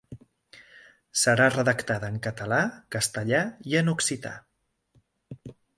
Serà redactada en català, castellà i en occità.